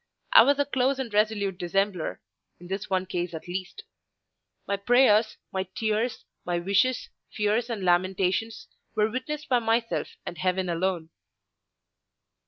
I was a close and resolute dissembler—in this one case at least. My prayers, my tears, my wishes, fears, and lamentations, were witnessed by myself and heaven alone.